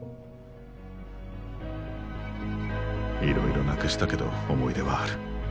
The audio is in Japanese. いろいろなくしたけど思い出はある。